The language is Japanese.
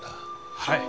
はい。